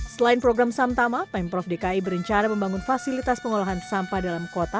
selain program samtama pemprov dki berencana membangun fasilitas pengolahan sampah dalam kota